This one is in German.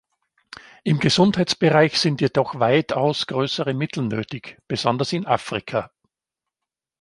Im Gesundheitsbereich sind jedoch weitaus größere Mittel nötig, besonders in Afrika.